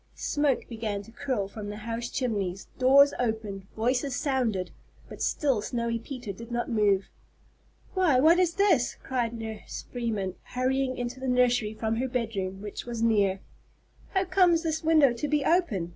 Smoke began to curl from the house chimneys, doors opened, voices sounded, but still Snowy Peter did not move. "Why, what is this?" cried Nurse Freeman, hurrying into the nursery from her bedroom, which was near. "How comes this window to be open?